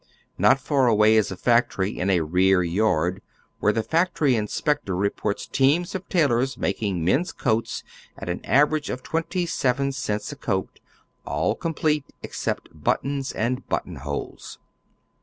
Not far away is a factory in a rear yard where tbe factory inspector reports teams of tailors making men's coats at an average of twenty seven cents a coat, all complete ex cept buttons and button holes.